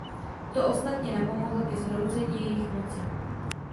To ostatně napomohlo ke zhroucení jejich moci.